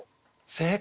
正解。